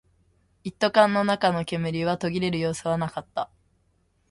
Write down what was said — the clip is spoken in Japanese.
一斗缶の中の煙は途切れる様子はなかった